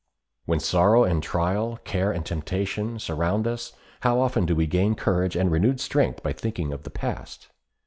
When sorrow and trial, care and temptation, surround us how often do we gain courage and renewed strength by thinking of the past.